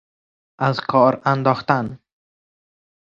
ازکارانداختن